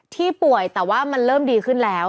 ที่ป่วยแต่ว่ามันเริ่มดีขึ้นแล้ว